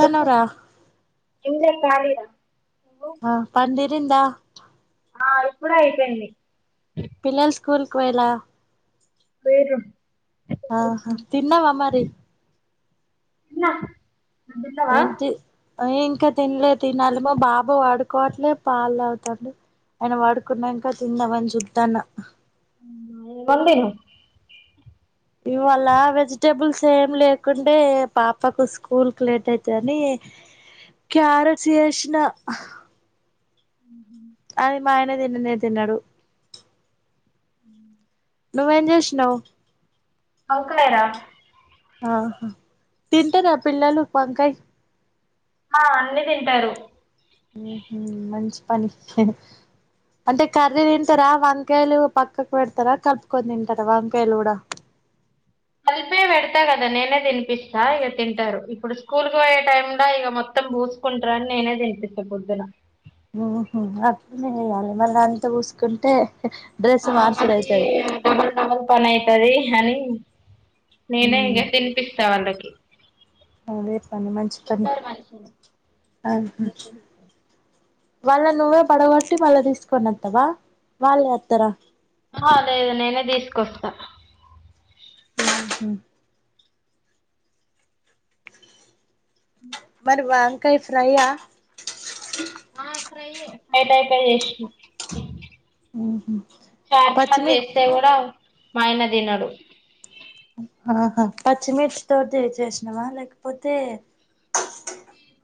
చెప్పు ఏం లేదు కలిర ఆ పండి డింద ఆ ఇప్పుడ అయిపోయింది పిల్లల స్కూల్కి పోయేలా పోయిరూ ఆహా తిన్నవా మరి ఇ ఎంటి ఇంకా తినలే తినాలి మా బాబు పడుకోవట్లే పాలు అవుతానడు ఆయన వాడుకున్నాంక తిందామని చూద్దాన్న ఉమ్ అన్నం తిని ఇవాళ వెజిటబుల్స్ ఏం లేకుండే పాపకు స్కూల్ క లేట్ అయితుందిని క్యారెట్స్ చేసిన అది మా ఆయన తిన్ననే తిన్నాడు అ నువ్వేం చేసినావ్ [inaudible] ఆహా తినంటనా పిల్లాలు పంకాయ ఆ అన్ని తింటారు మంచి పని అంటే కర్రీ తింటారా వంకాయలు పక్కకు పెడతారా కలుపుకొని తింటారా వంకాయలు కూడా కలిపే పెడతా కదా నేనే తినిపిస్తా ఇక తింటారు ఇప్పుడు స్కూల్కి పోయే టైమ్లా ఇక మొత్తం పూసుకుంటారు అని నేనే తినిపిస్తా పొద్దున ఉమ్ యాల మళ్ళీ అంత కుంటే డబుల్ పని అయితది హని నేనే ఉమ్ ఇక తినిపిస్తా వాళ్ళకి అదే పని మంచి పని ఆహా వాళ్ళ నువ్వే పడగొట్టి వాళ్ళ తీసుకనిత్తావా వాళ్ళు వస్తార ఆ లేదు నేనే తీసుకొస్తా హ మరువా కై ఫ్రైయా వంకాయ ఫ్రై చేసిన పచ్చిమీ మాయన తినడు ఆహా పచ్చిమిర్చితోది చేసినవా లేకపోతే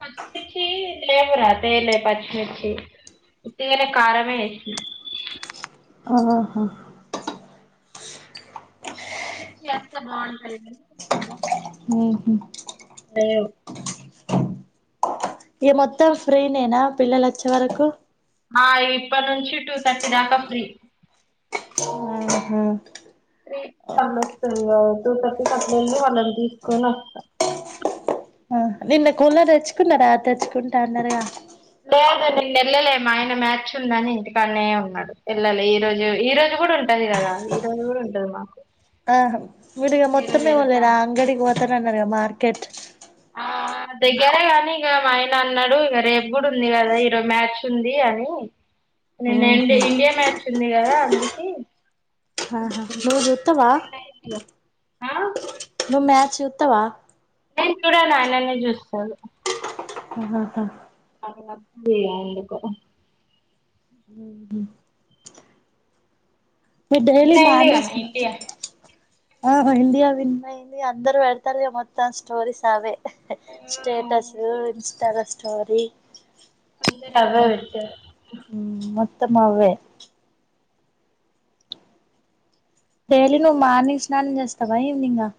పచ్ మిర్చి లేవు రా తేలే పచ్చిమిర్చి ఉటిగానే కారంమే ఎశ్న ఆహా పచ్చిమిర్చి ఏస్తే బాగుంటాయి గని చూద్దాం ఉహు ఇగ మొత్తం ఫ్రీ నేనా పిల్లలు అచ్చే వరకు ఆ ఇప్పటి నుంచి టూ థర్టీ దాకా ఫ్రీ ఆహా త్రీ థన్ వస్తది కావు టు థర్టీ కి అట్లెల్లి వాళ్ళను తీసుకొనస్త ఆ నిన్న కూలర్ తెచ్చుకున్నారా తెచ్చుకుంటాన్నారు గా లేదు మేం నిన్న ఎళ్లలే మా ఆయన మ్యాచ్ ఉందని ఇంటికన్నె ఉన్నాడు ఏల్లలే ఈ రోజు ఈ రోజు కూడా ఉంటది కదా ఈ రోజు కూడా ఉంటది మాకు ఆహా మీరీగా ఈ రోజు మొత్తమే వెళ్తా వోలేరా అంగడి పో తనన్నర్గ మార్కెట్ ఆ దగ్గరే గాని ఇగా మా ఆయన అన్నాడు ఇగ రేపు కూడా ఉంది కదా ఈరోజు మ్యాచ్ ఉంది అని నిన్న ఇండి ఉహు ఇండియా మ్యాచ్ ఉంది కదా అందుకే ఆహా నువ్ జూత్తవా ఆ నువు మ్యా చూతవా నేను చూడన్ ఆయననే చూస్తాడు ఆహా జేయ ఎందుకో ఉహు మీ డైలీ నిన్న అయింది కదా మానీసినా ఇండియా ఆహా ఇండియా విన్ అయింది గా అందరు వెడతారుగా మొత్తం స్టోరిస్ లావే స్టేటస్ ఇన్స్టలో స్టోరీ అందరు అవ్వే వెట్టారు త్తం అవ్వే డైలీ నువ్వు మార్నింగ్ స్నానం చేస్తావా ఈవినింగ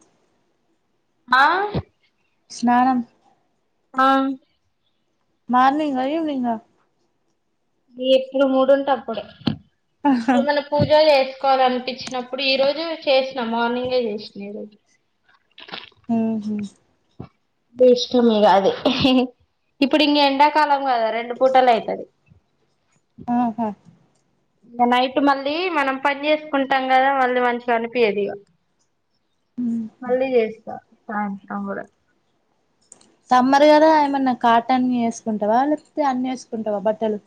ఆ స్నానం ఆ మార్నింగా ఈవినింగా ఎప్పుడు మూడుంటే అప్పుడే ఏ మన పూజాలు చేస్ కోవాలనిపించినప్పుడు ఈ రోజు చేసిన మార్నింగే చేసిన ఈ రోజు ఆ హ మీష్లమ్ మీగ అది ఇప్పుడు ఇంగా ఎండాకాలం కదా రెండు పూటలు అయితది ఆహా నిన్ననైట్ మళ్ళీ మనం పని చేసుకుంటాం కదా మళ్ళీ మంచిగా అనిపియది ఇగ మళ్ళీ చేస్తా తాంతొకూడా సమ్మర్ కదా ఏమన్నా కాటన్వి వేసుకుంటావా లేకపోతే అన్ని వేసుకుంటావా బట్టలు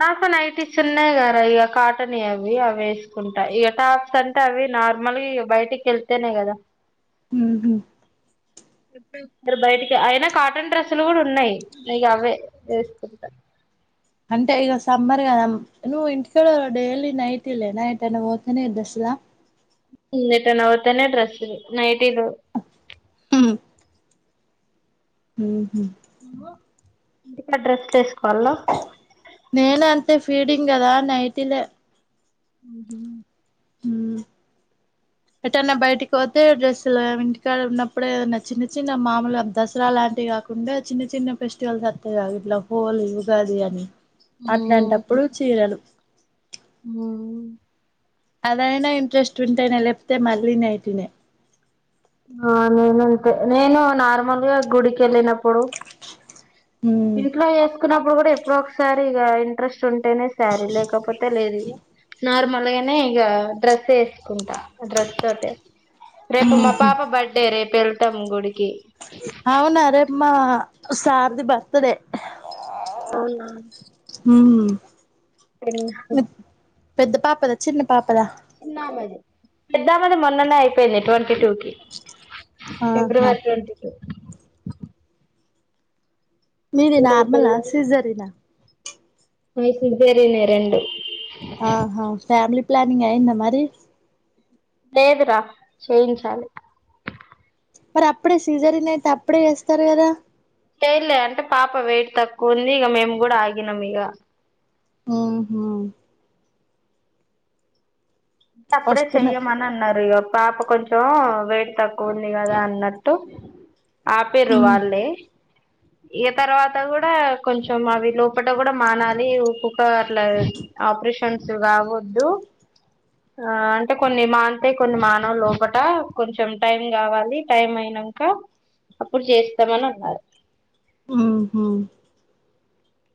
నాకు నైటీస్ ఉన్నాయి కదా ఇక కాటన్ అవి అవి వేసుకుంటా ఇక టాప్స్ అంటే అవి నార్మల్ ఇ బయటికి వెళ్తేనే కదా ఊహూ ఎప్పుడు వారు బయటికి అయినా కాటన్ డ్రెస్సులు కూడా ఉన్నాయి ఇగ అవే వేసుకుంట అంటే ఈగ సమ్మర్ గదా నువ్వు ఇంటికాడ డైలీ నైటీలేనా ఎటైనా పోతేనే డ్రెస్సులా ఊ ఎటన్నా పోతేనే డ్రెస్సులు నైట్ టిలు ఊహూ ఎప్పుడు ఆ డ్రెస్ వేసుక నేను అంతే ఫీడింగ్ కదా నైటీలే ఊహూ ఎటన్నా బయటికి పోతే డ్రెస్సులు ఇంటికాడ ఉన్నప్పుడే ఏదన్నా చిన్న చిన్న మామూలుగా దసరా లాంటివి కాకుండా చిన్న చిన్న ఫెస్టివల్స్ వత్తయి కా ఇట్లా హోలీ ఉగాది అని అట్లాంటప్పుడు చీరలు మో అదైనా ఇంట్రెస్ట్ ఉంటేనే లేపోతే మళ్ళీ నైటినే ఆ నేనంతే నేను నార్మల్గా గుడికెళ్ళినప్పుడు ఉమ్ ఇంట్లో ఏస్ కునప్పుడు కూడా ఎప్పుడో ఒకసారి ఇగ ఇంట్రెస్ సుంటేనే శారీ లేకపోతే లేదిగ లేనే ఇగ డ్రెస్ ఏసుకుంటా డ్రస్ తోటే రేపు మా ఉహు పాప బర్డే రే పెళ్టాం గుడికి సార్ ది బర్త్ డే ఊమ్మ్ లిన్హా పెద్ద పాపదా చిన్న పాపదా చిన్నా మెది పెద్దామది మొన్ననే అయిపోయింది ట్వంటీ టూ ఆహా ఫిభ్రవరి ట్వంటీ టూ మీది నార్మలా సిజరినా నాయి సిజరీనే రెండు ఆహా ఫ్యామిలీ ప్లానింగ్ అయ్యిందా మరి లేదురా చేయించాలి మరి అప్పుడే సీజరిన్ అయితే అప్పుడే చేస్తారు కదా చెైలే అంటే పాప వెయిట్ తక్కువ ఉంది ఇక మేము కూడా ఆగినాం ఇగ ఆహా త అప్పుడే కష్టమే చేయమని అన్నారు ఇగ పాప కొంచెం వెయిట్ తక్కువ ఉంది కదా అన్నట్టు ఆపిర్రు ఉమ్ వాళ్ళే ఇగ తర్వాత కూడా కొంచెం అవి లోపట కూడా మానాలి, ఊకూక అట్ల ఆపరేషన్స్ కావద్దు. ఆ అంటే కొన్ని మానితే కొన్ని మానవు లోపట కొంచెం టైం కావాలి టైం అయినాంక అప్పుడు చేస్తామని అన్నారు.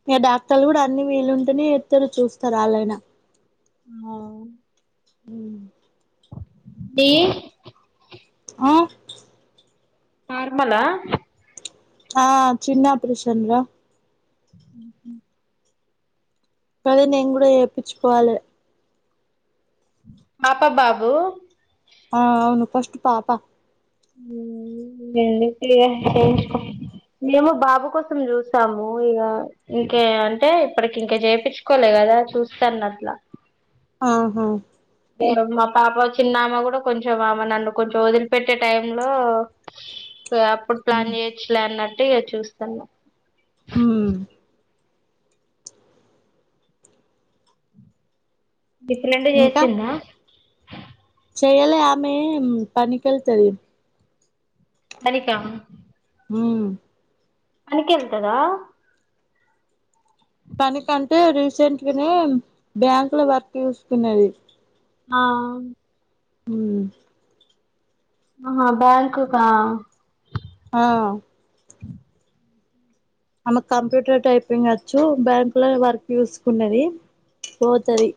ఇగ డాక్టర్లు కూడా అన్ని వీలుంటేనే ఎత్తరు చూస్తారు వాళ్ళైనా. ఆ మ్మ్ డీ ఆ నార్మలా ఆ చిన్న ఆపరేషన్ రా కానీ నేను కూడా చేపించుకోవాలే పాప బాబు ఆ అవును ఫస్ట్ పాప దేనికి చేయించుకో మేము బాబు కోసం చూసాము ఇక ఇంకే అంటే ఇప్పటికి ఇంక చేయించుకోలే కదా చూస్తాను అట్లా ఆహా మా పాప చిన్నామె కూడా కొంచెం ఆమె నన్ను కొంచెం వదిలిపెట్టే టైం లో అప్పుడు ప్లాన్ చేయచ్చలే అన్నట్ టిగ చూస్తాన్నా ఊ నీ ఫ్రెండ్ చేసిందా చేయలే ఆమె పనికి వెళ్తాది పనికా ఊ పనికి వెళ్తాదా పనికంటే రీసెంట్గానే బ్యాంక్ లో వర్క్ చూసుకున్నది ఆ ఊ ఆహా బ్యాంకుకా ఆ ఆమెకు కంప్యూటర్ టైపింగ్ వచ్చు బ్యాంక్ లో వర్క్ చూసుకున్నది పోతుది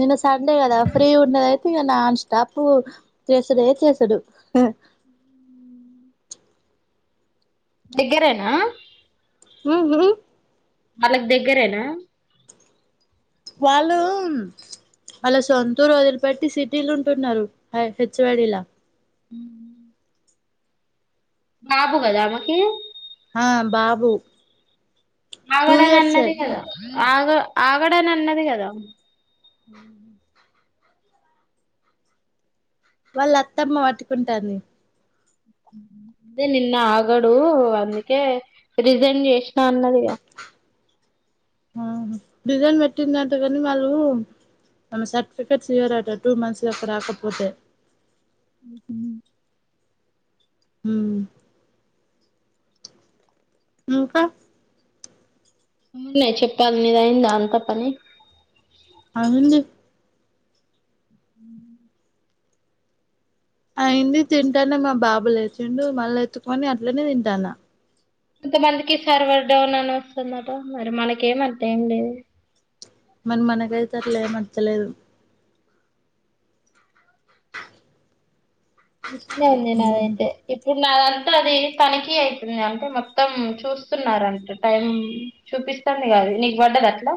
నిన్న సండే కదా ఫ్రీ ఉండేది ఇంక నాన్ స్టాప్ చేస్తేనే చేస్తాడు దగ్గరేనా ఊ హూ వాళ్ళకు దగ్గరేనా వాళ్ళు వాళ్ళ సొంతూరు వదిలిపట్టి సిటీలు ఉంటున్నారు హెచ్వాడిలా హ్మ్ బాబు కదా ఆమకి ఆ బాబు టూ అవిడ ఇయర్సే నన్నది కదా ఆగు ఆగని అన్నది కదా హ వాళ్ళు అత్తమ్మ పట్టుకుంటాంది అదే నిన్న ఆగడు అందుకే రిజైన్ చేసినా అన్నది గా రిజల్ పెట్టిందంట కానీ వాళ్ళు మన సర్టిఫికెట్స్ ఇవ్వరాట టూ మంత్స్ వరకు రాకపోతే ఉమ్మ్ మ్మ్ ఇంకా నువ్వే చెప్పాలి నిది అయిందా అంత పని అవునండి అయింది తింటాన మా బాబు లేచిండు మల్ల ఎత్తుకొని అట్లానే తింటాన ఇంతమందికి సర్వర్ డౌన్ అని వస్తుందంట మరి మనకేమంత ఏం లేదు మరి మనదైతే అట్లా ఎం మచ్చలేదు మషనే ఉంది నాదైతే ఇప్పుడు నా అంతలో అది తనిఖీ అవుతుంది అంటే మొత్తం చూస్తున్నారు అంట టైం చూపిస్తుంది కాద అది నీకు పడ్డదా అట్లా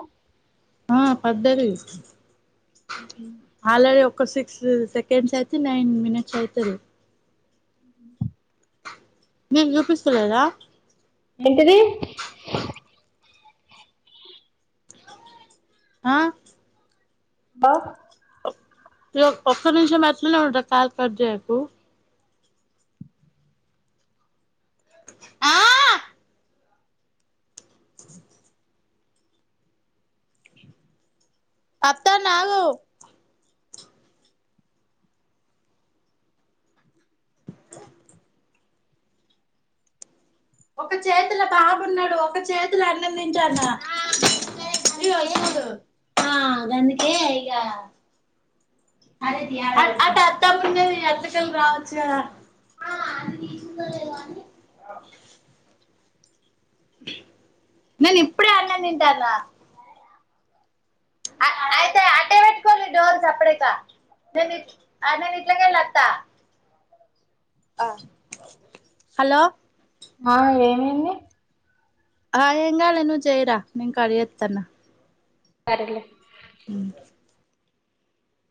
ఆ పడ్డది ఉమ్మ్ ఆల్రెడీ ఒక సిక్స్ సెకండ్స్ అయితే నైన్ మినిట్స్ అయితాది నేను చూపిస్తా ఏంటిది ఆ బా ఓ ఒక్క నిమిషం అట్లే ఉండు రా కాల్ కట్ చేయకు ఆ అత్తన అగ్గు ఒక చేతులో బాబన్నాడు ఒక చేతులో అన్నం తింటాన ఇగో ఈయనచూడు గందుకే ఇగ అటు అటు అద్దం ఉన్నది అటుకెళ్ళి రావచ్చు కదా నేను ఇప్పుడే అన్నం తింటానా అయితే అట్టే పెట్టుకోడి డోర్ సప్పుడుజైకా నే నేను ఎట్లాకెల్లోత్తా హలో ఆ ఏమైంది హ ఏం రాలే నువ్వు చేయరా నేను కట్ చేతన సరేలే మ్మ్